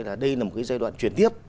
là đây là một cái giai đoạn chuyển tiếp